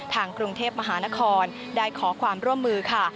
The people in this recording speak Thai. ทางกรุงเทพมหานครได้ขอความร่วมมือค่ะ